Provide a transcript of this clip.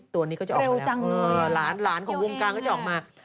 ตัวนี้ก็จะออกมาหลานของวงการก็จะออกมา